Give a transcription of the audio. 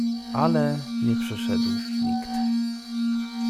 "Ale nie przyszedł nikt."